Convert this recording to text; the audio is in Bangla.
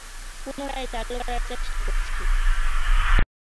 পুনরায় চালু করার চেষ্টা করছি।